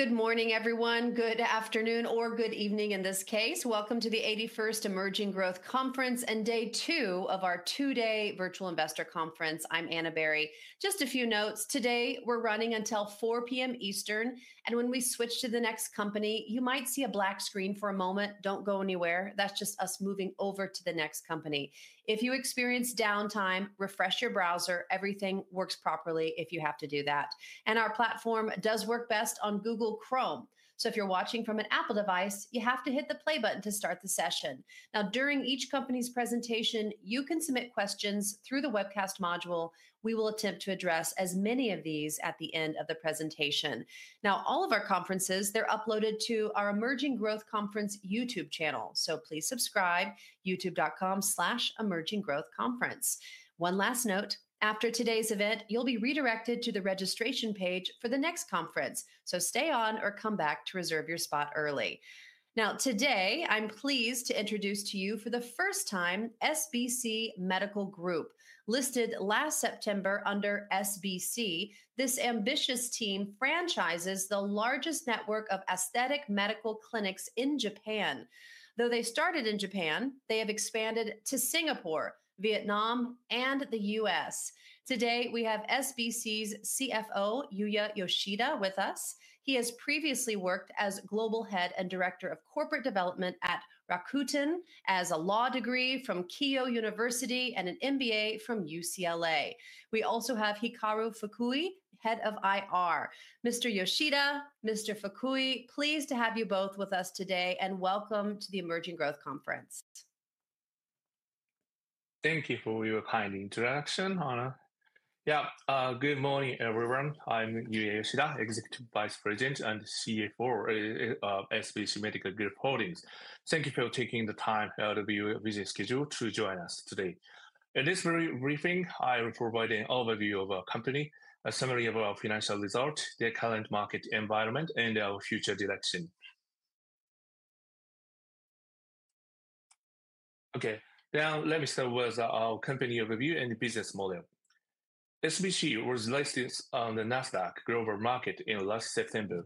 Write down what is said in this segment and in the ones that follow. Good morning, everyone. Good afternoon, or good evening in this case. Welcome to the 81st Emerging Growth Conference and day two of our two-day virtual investor conference. I'm Anna Berry. Just a few notes. Today we're running until 4:00 P.M. Eastern. When we switch to the next company, you might see a black screen for a moment. Don't go anywhere. That's just us moving over to the next company. If you experience downtime, refresh your browser. Everything works properly if you have to do that. Our platform does work best on Google Chrome. If you're watching from an Apple device, you have to hit the play button to start the session. Now, during each company's presentation, you can submit questions through the webcast module. We will attempt to address as many of these at the end of the presentation. Now, all of our conferences, they're uploaded to our Emerging Growth Conference YouTube channel. Please subscribe, youtube.com/emerginggrowthconference. One last note, after today's event, you'll be redirected to the registration page for the next conference. Stay on or come back to reserve your spot early. Today, I'm pleased to introduce to you for the first time, SBC Medical Group Holdings, listed last September under SBC. This ambitious team franchises the largest network of aesthetic medical clinics in Japan. Though they started in Japan, they have expanded to Singapore, Vietnam, and the U.S.. Today, we have SBC's CFO, Yuya Yoshida, with us. He has previously worked as global head and director of corporate development at Rakuten, has a law degree from Keio University, and an MBA from UCLA. We also have Hikaru Fukui, Head of Investor Relations. Mr. Yoshida, Mr. Fukui, pleased to have you both with us today. Welcome to the Emerging Growth Conference. Thank you for your kind introduction, Anna. Yeah, good morning, everyone. I'm Yuya Yoshida, Executive Vice President and CFO of SBC Medical Group Holdings. Thank you for taking the time out of your busy schedule to join us today. In this briefing, I will provide an overview of our company, a summary of our financial results, the current market environment, and our future direction. Okay, now let me start with our company overview and business model. SBC was listed on the NASDAQ Global Market in last September.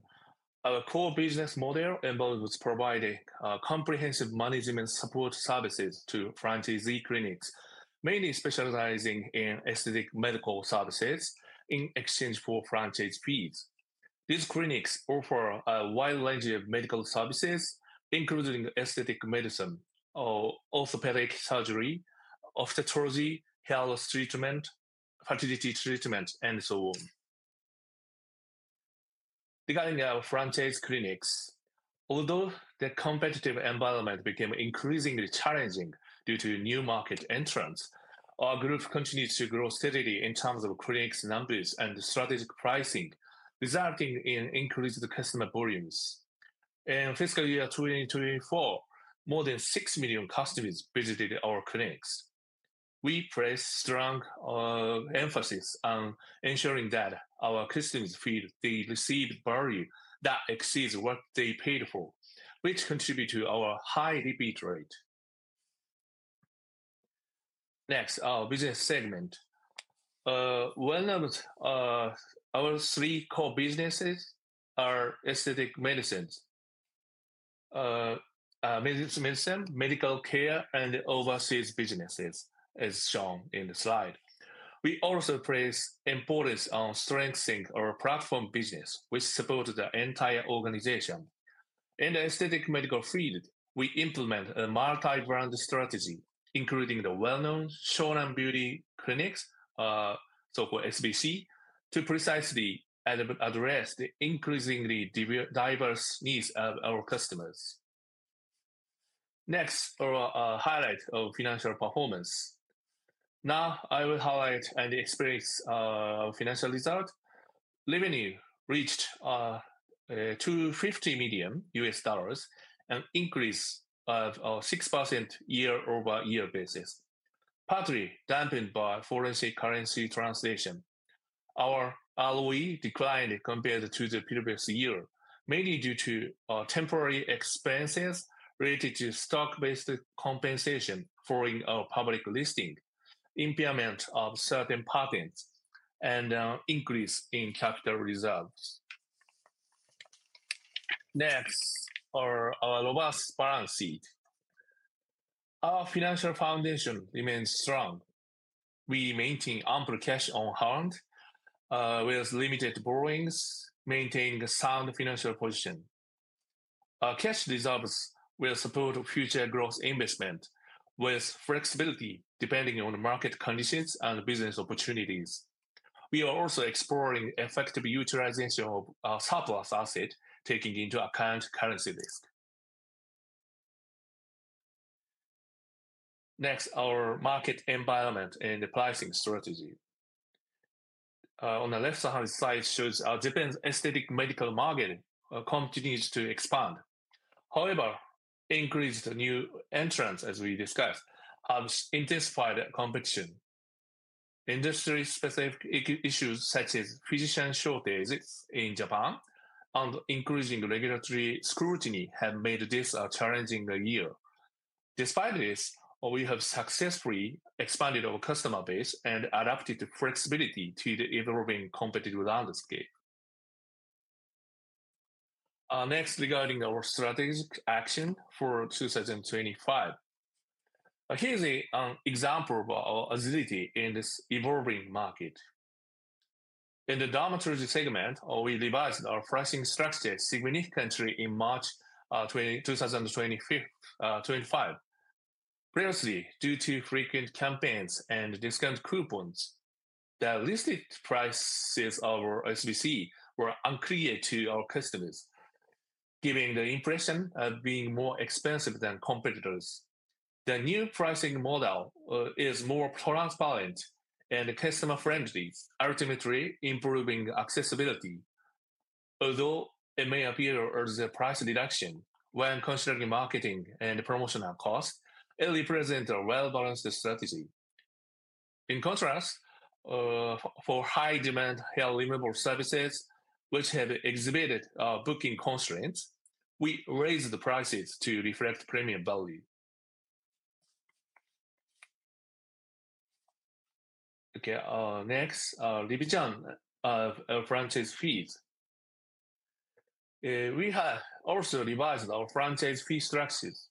Our core business model involves providing comprehensive management support services to franchisee clinics, mainly specializing in aesthetic medical services in exchange for franchise fees. These clinics offer a wide range of medical services, including aesthetic medicine, orthopedic surgery, ophthalmology, health treatment, fertility treatment, and so on. Regarding our franchise clinics, although the competitive environment became increasingly challenging due to new market entrants, our group continues to grow steadily in terms of clinic numbers and strategic pricing, resulting in increased customer volumes. In fiscal year 2024, more than 6 million customers visited our clinics. We place strong emphasis on ensuring that our customers feel they receive value that exceeds what they paid for, which contributes to our high repeat rate. Next, our business segment. Our three core businesses are aesthetic medicine, medical care, and overseas businesses, as shown in the slide. We also place importance on strengthening our platform business, which supports the entire organization. In the aesthetic medical field, we implement a multi-brand strategy, including the well-known Shonan Beauty Clinic, so-called SBC, to precisely address the increasingly diverse needs of our customers. Next, our highlight of financial performance. Now, I will highlight and explain financial results. Revenue reached $250 million, an increase of 6% year-over-year basis, partly dampened by foreign currency translation. Our ROE declined compared to the previous year, mainly due to temporary expenses related to stock-based compensation following our public listing, impairment of certain patents, and increase in capital reserves. Next, our robust balance sheet. Our financial foundation remains strong. We maintain ample cash on hand with limited borrowings, maintaining a sound financial position. Our cash reserves will support future growth investment with flexibility depending on market conditions and business opportunities. We are also exploring effective utilization of surplus assets, taking into account currency risk. Next, our market environment and pricing strategy. On the left-hand side, it shows Japan's aesthetic medical market continues to expand. However, increased new entrants, as we discussed, have intensified competition. Industry-specific issues such as physician shortages in Japan and increasing regulatory scrutiny have made this a challenging year. Despite this, we have successfully expanded our customer base and adapted to flexibility to the evolving competitive landscape. Next, regarding our strategic action for 2025, here's an example of our agility in this evolving market. In the dermatology segment, we revised our pricing strategy significantly in March 2025. Previously, due to frequent campaigns and discount coupons, the listed prices of SBC were unclear to our customers, giving the impression of being more expensive than competitors. The new pricing model is more transparent and customer-friendly, ultimately improving accessibility. Although it may appear as a price reduction when considering marketing and promotional costs, it represents a well-balanced strategy. In contrast, for high-demand health services, which have exhibited booking constraints, we raised the prices to reflect premium value. Okay, next, revision of franchise fees. We have also revised our franchise fee structures.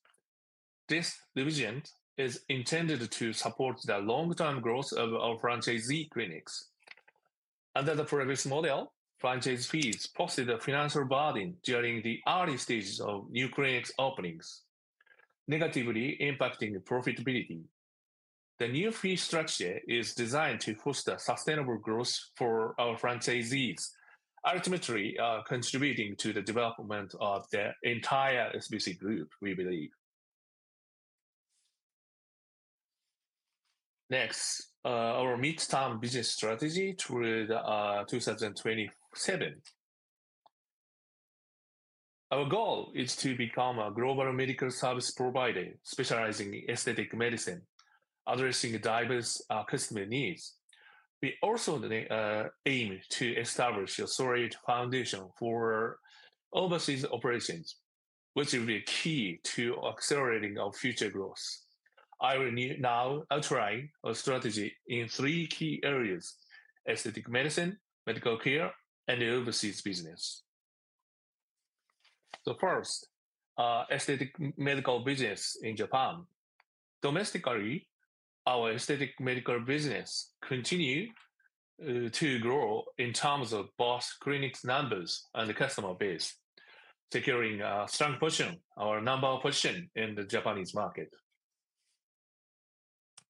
This revision is intended to support the long-term growth of our franchisee clinics. Under the previous model, franchise fees posed a financial burden during the early stages of new clinics openings, negatively impacting profitability. The new fee structure is designed to foster sustainable growth for our franchisees, ultimately contributing to the development of the entire SBC group, we believe. Next, our midterm business strategy through 2027. Our goal is to become a global medical service provider specializing in aesthetic medicine, addressing diverse customer needs. We also aim to establish a solid foundation for overseas operations, which will be key to accelerating our future growth. I will now outline our strategy in three key areas: aesthetic medicine, medical care, and the overseas business. First, aesthetic medical business in Japan. Domestically, our aesthetic medical business continues to grow in terms of both clinic numbers and the customer base, securing a strong position, our number position in the Japanese market.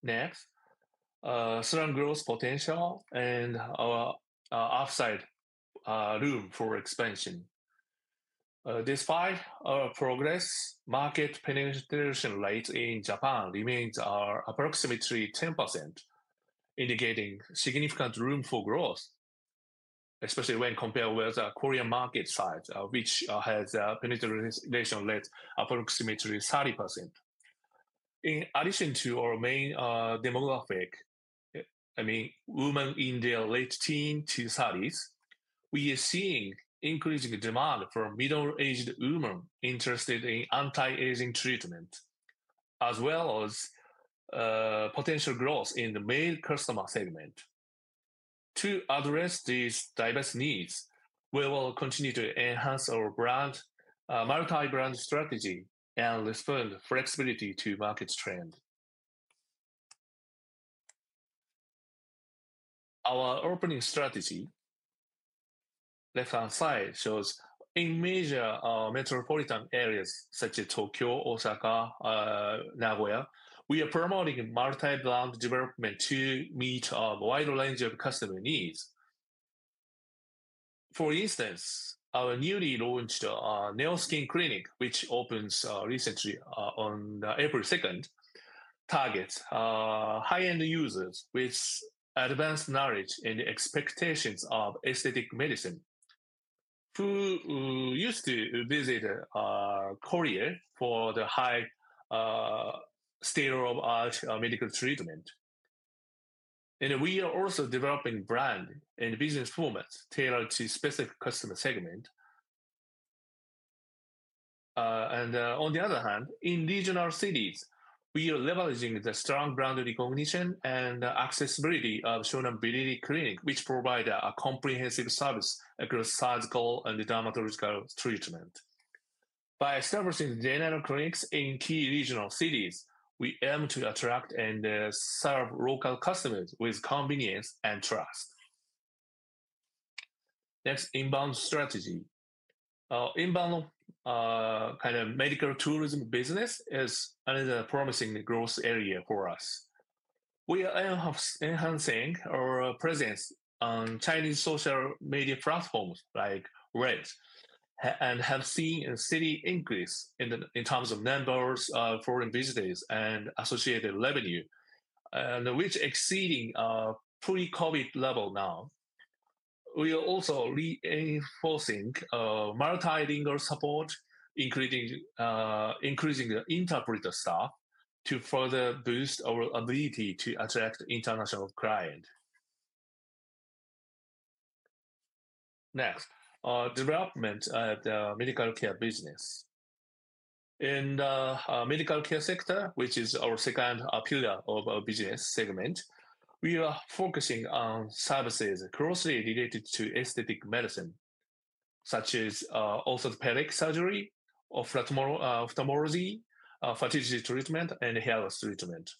Next, strong growth potential and our upside room for expansion. Despite our progress, market penetration rates in Japan remain approximately 10%, indicating significant room for growth, especially when compared with the Korean market side, which has a penetration rate of approximately 30%. In addition to our main demographic, I mean, women in their late teens to 30s, we are seeing increasing demand for middle-aged women interested in anti-aging treatment, as well as potential growth in the male customer segment. To address these diverse needs, we will continue to enhance our multi-brand strategy and respond flexibly to market trends. Our opening strategy, left-hand side, shows in major metropolitan areas such as Tokyo, Osaka, and Nagoya, we are promoting multi-brand development to meet a wide range of customer needs. For instance, our newly launched Neo Skin Clinic, which opened recently on April 2, targets high-end users with advanced knowledge and expectations of aesthetic medicine, who used to visit Korea for the high standard of medical treatment. We are also developing brand and business formats tailored to specific customer segments. On the other hand, in regional cities, we are leveraging the strong brand recognition and accessibility of Shonan Beauty Clinic, which provides a comprehensive service across surgical and dermatological treatment. By establishing general clinics in key regional cities, we aim to attract and serve local customers with convenience and trust. Next, inbound strategy. Inbound kind of medical tourism business is another promising growth area for us. We are enhancing our presence on Chinese social media platforms like RED and have seen a steady increase in terms of numbers of foreign visitors and associated revenue, which is exceeding a pre-COVID level now. We are also reinforcing multilingual support, including increasing the interpreter staff to further boost our ability to attract international clients. Next, development of the medical care business. In the medical care sector, which is our second pillar of our business segment, we are focusing on services closely related to aesthetic medicine, such as orthopedic surgery, ophthalmology, fertility treatment, and hair loss treatment.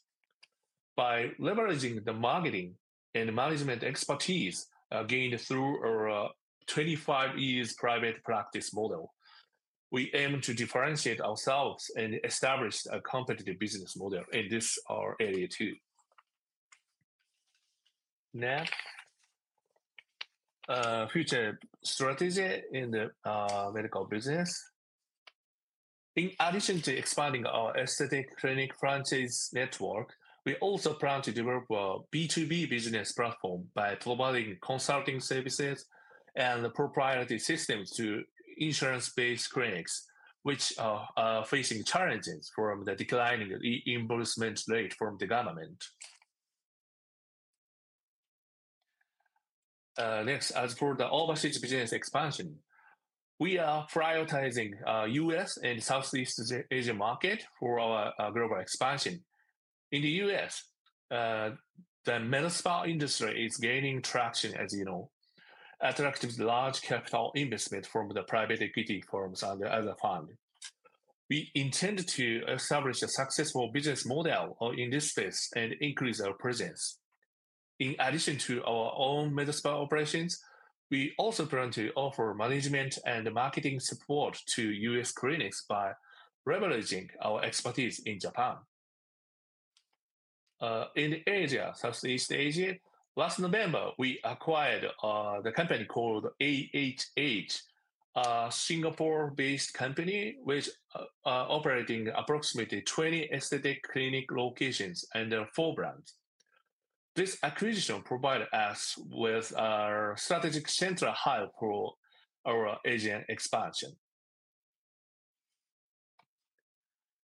By leveraging the marketing and management expertise gained through our 25-year private practice model, we aim to differentiate ourselves and establish a competitive business model in this area too. Next, future strategy in the medical business. In addition to expanding our aesthetic clinic franchise network, we also plan to develop a B2B business platform by providing consulting services and proprietary systems to insurance-based clinics, which are facing challenges from the declining reimbursement rate from the government. Next, as for the overseas business expansion, we are prioritizing the U.S. and Southeast Asia market for our global expansion. In the U.S., the med spa industry is gaining traction, as you know, attracting large capital investment from the private equity firms and other funds. We intend to establish a successful business model in this space and increase our presence. In addition to our own med spa operations, we also plan to offer management and marketing support to U.S. clinics by leveraging our expertise in Japan. In Asia, Southeast Asia, last November, we acquired the company called AHH, a Singapore-based company operating approximately 20 aesthetic clinic locations and four brands. This acquisition provided us with a strategic central hub for our Asian expansion.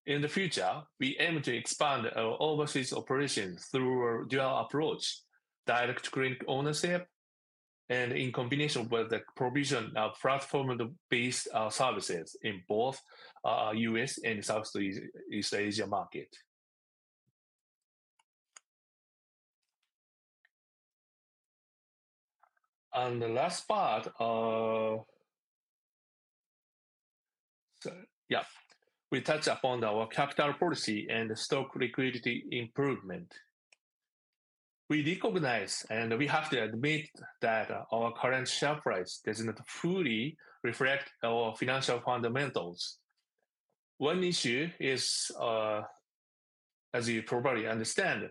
In the future, we aim to expand our overseas operations through a dual approach: direct clinic ownership and in combination with the provision of platform-based services in both U.S. and Southeast Asia market. The last part, yeah, we touched upon our capital policy and stock liquidity improvement. We recognize and we have to admit that our current share price does not fully reflect our financial fundamentals. One issue is, as you probably understand,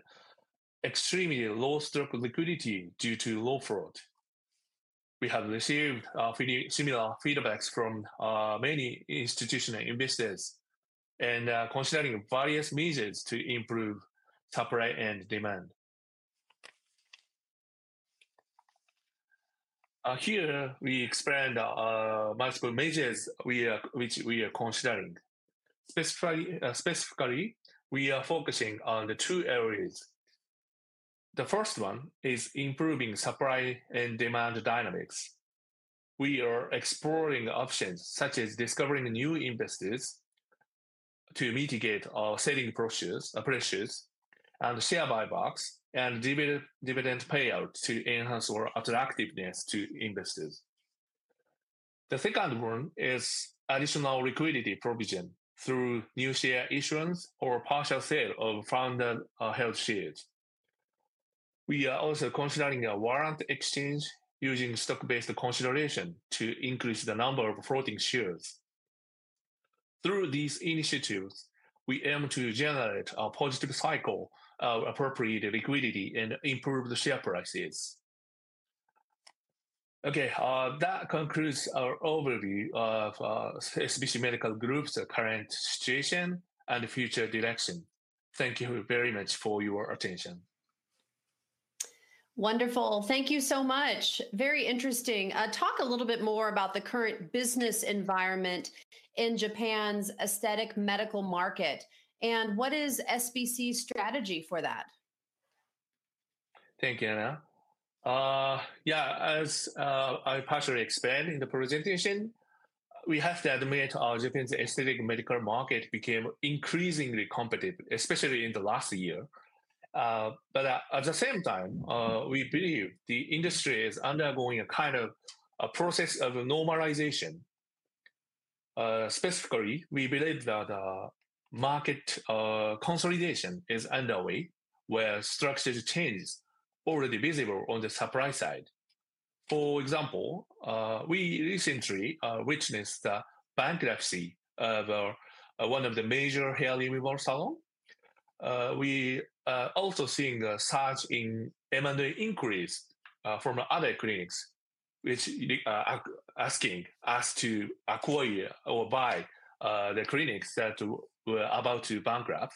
extremely low stock liquidity due to low float. We have received similar feedback from many institutional investors and are considering various measures to improve supply and demand. Here, we explained multiple measures which we are considering. Specifically, we are focusing on two areas. The first one is improving supply and demand dynamics. We are exploring options such as discovering new investors to mitigate our selling pressures and share buybacks and dividend payouts to enhance our attractiveness to investors. The second one is additional liquidity provision through new share issuance or partial sale of founder held shares. We are also considering a warrant exchange using stock-based consideration to increase the number of floating shares. Through these initiatives, we aim to generate a positive cycle of appropriate liquidity and improved share prices. Okay, that concludes our overview of SBC Medical Group Holdings' current situation and future direction. Thank you very much for your attention. Wonderful. Thank you so much. Very interesting. Talk a little bit more about the current business environment in Japan's aesthetic medical market and what is SBC's strategy for that. Thank you, Anna. Yeah, as I partially explained in the presentation, we have to admit our Japanese aesthetic medical market became increasingly competitive, especially in the last year. At the same time, we believe the industry is undergoing a kind of a process of normalization. Specifically, we believe that market consolidation is underway where structural changes are already visible on the supply side. For example, we recently witnessed the bankruptcy of one of the major hair removal salons. We are also seeing a surge in M&A increase from other clinics, which are asking us to acquire or buy the clinics that were about to bankrupt,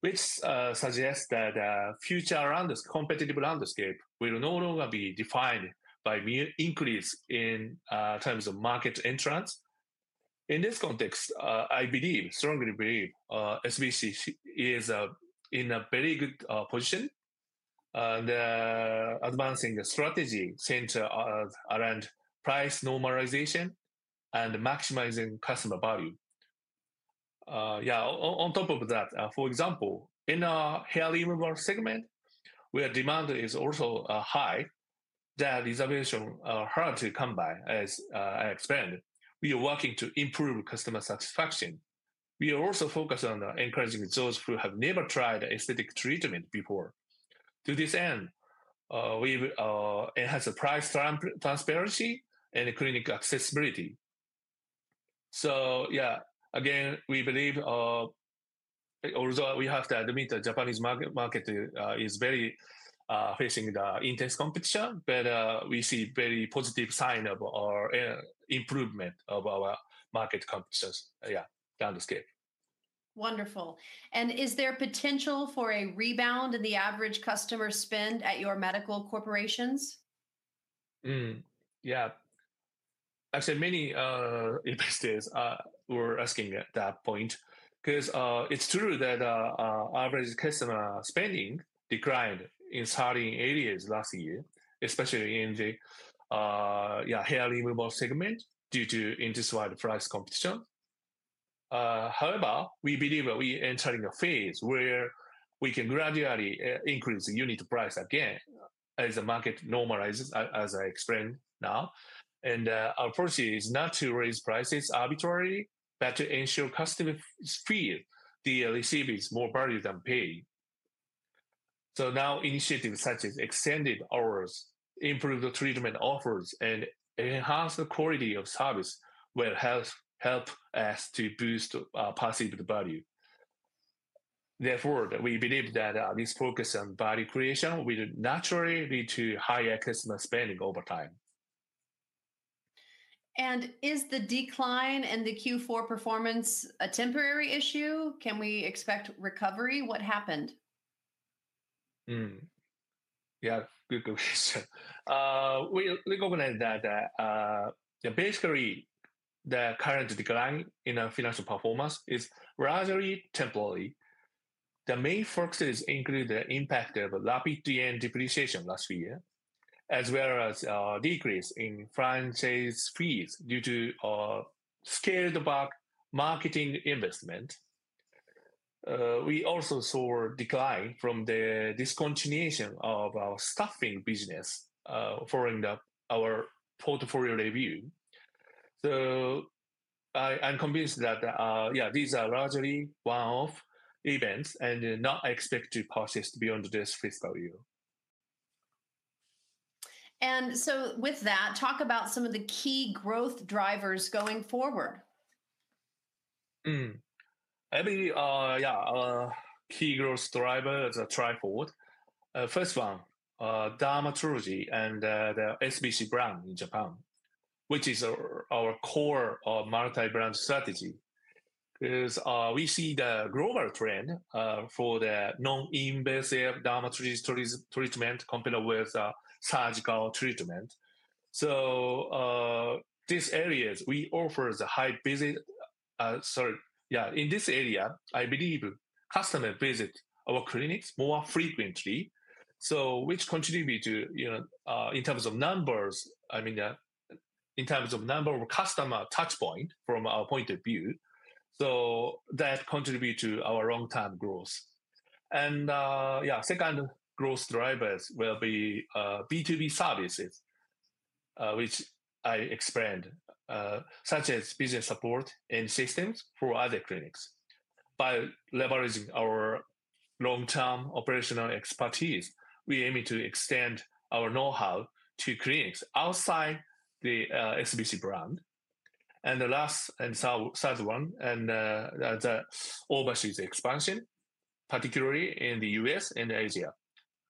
which suggests that the future competitive landscape will no longer be defined by increase in terms of market entrants. In this context, I believe, strongly believe, SBC is in a very good position and advancing the strategy centered around price normalization and maximizing customer value. Yeah, on top of that, for example, in our hair removal segment, where demand is also high, that is a vision hard to come by, as I explained. We are working to improve customer satisfaction. We are also focused on encouraging those who have never tried aesthetic treatment before. To this end, we enhance price transparency and clinic accessibility. Yeah, again, we believe, although we have to admit the Japanese market is very facing the intense competition, we see very positive signs of our improvement of our market competition, yeah, landscape. Wonderful. Is there potential for a rebound in the average customer spend at your medical corporations? Yeah. Actually, many investors were asking at that point because it's true that average customer spending declined in certain areas last year, especially in the hair removal segment due to induced wide price competition. However, we believe that we are entering a phase where we can gradually increase unit price again as the market normalizes, as I explained now. Our policy is not to raise prices arbitrarily, but to ensure customers feel they receive more value than paid. Now initiatives such as extended hours, improved treatment offers, and enhanced quality of service will help us to boost our perceived value. Therefore, we believe that this focus on value creation will naturally lead to higher customer spending over time. Is the decline in the Q4 performance a temporary issue? Can we expect recovery? What happened? Yeah, good question. We recognize that basically the current decline in our financial performance is largely temporary. The main focus is including the impact of rapid JPY depreciation last year, as well as a decrease in franchise fees due to scaled-up marketing investment. We also saw a decline from the discontinuation of our staffing business following our portfolio review. I'm convinced that, yeah, these are largely one-off events and not expected to persist beyond this fiscal year. With that, talk about some of the key growth drivers going forward. I believe, yeah, our key growth drivers are trifold. First one, dermatology and the SBC brand in Japan, which is our core multi-brand strategy because we see the global trend for the non-invasive dermatology treatment compared with surgical treatment. These areas, we offer the high visit, sorry, yeah, in this area, I believe customers visit our clinics more frequently, which contributes to, in terms of numbers, I mean, in terms of number of customer touchpoints from our point of view. That contributes to our long-term growth. Yeah, second growth drivers will be B2B services, which I explained, such as business support and systems for other clinics. By leveraging our long-term operational expertise, we aim to extend our know-how to clinics outside the SBC brand. The last and third one, and that's overseas expansion, particularly in the U.S. and Asia.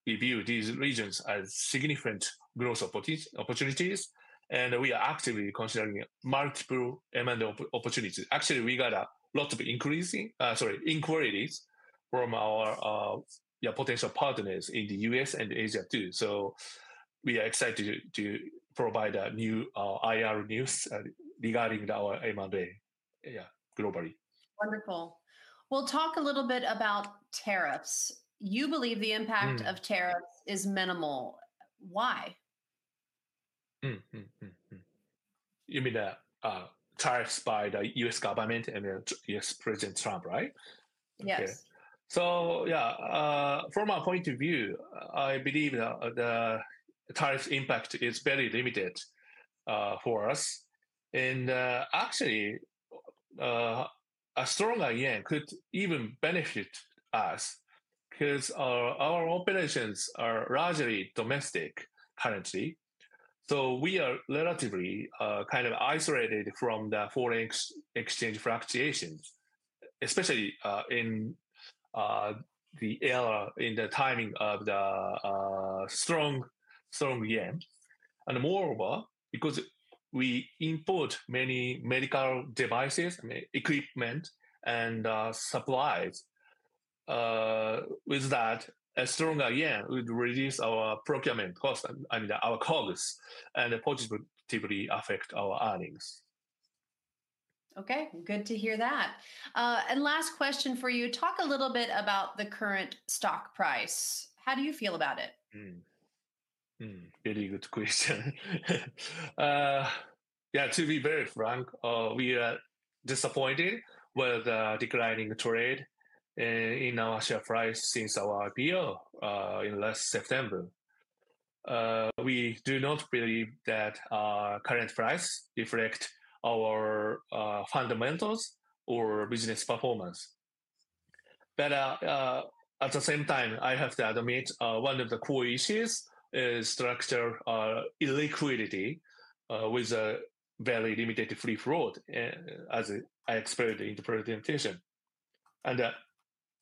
We view these regions as significant growth opportunities, and we are actively considering multiple M&A opportunities. Actually, we got a lot of increasing, sorry, inquiries from our potential partners in the U.S. and Asia too. We are excited to provide new IR news regarding our M&A, yeah, globally. Wonderful. We'll talk a little bit about tariffs. You believe the impact of tariffs is minimal. Why? You mean the tariffs by the U.S. government and the U.S. President Trump, right? Yes. Yeah, from our point of view, I believe the tariff impact is very limited for us. Actually, a stronger yen could even benefit us because our operations are largely domestic currently. We are relatively kind of isolated from the foreign exchange fluctuations, especially in the timing of the strong yen. Moreover, because we import many medical devices, equipment, and supplies, with that, a stronger yen would reduce our procurement cost, I mean, our costs, and it positively affects our earnings. Okay, good to hear that. Last question for you. Talk a little bit about the current stock price. How do you feel about it? Very good question. Yeah, to be very frank, we are disappointed with the declining trade in our share price since our IPO in last September. We do not believe that our current price reflects our fundamentals or business performance. At the same time, I have to admit one of the core issues is structural illiquidity with a very limited free float, as I explained in the presentation, and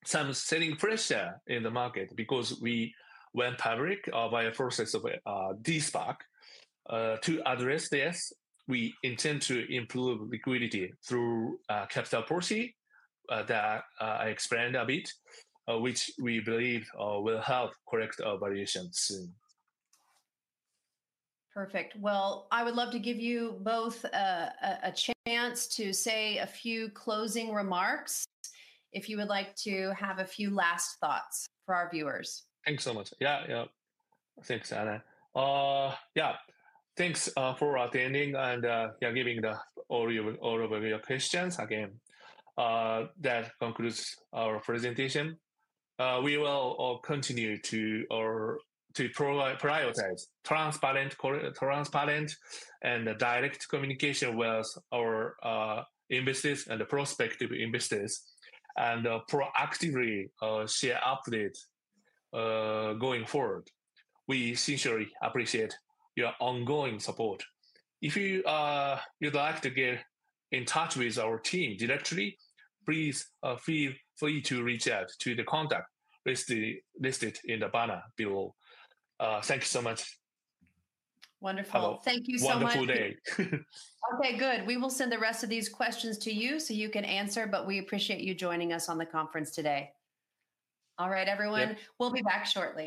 some selling pressure in the market because we went public via the process of de-SPAC. To address this, we intend to improve liquidity through capital purchase that I explained a bit, which we believe will help correct our valuation soon. Perfect. I would love to give you both a chance to say a few closing remarks if you would like to have a few last thoughts for our viewers. Thanks so much. Yeah, yeah. Thanks, Anna. Yeah, thanks for attending and, yeah, giving all of your questions. Again, that concludes our presentation. We will continue to prioritize transparent and direct communication with our investors and the prospective investors and proactively share updates going forward. We sincerely appreciate your ongoing support. If you'd like to get in touch with our team directly, please feel free to reach out to the contact listed in the banner below. Thank you so much. Wonderful. Thank you so much. Have a wonderful day. Okay, good. We will send the rest of these questions to you so you can answer, but we appreciate you joining us on the conference today. All right, everyone. We'll be back shortly.